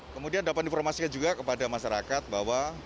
kemudian dapat informasikan juga kepada masyarakat bahwa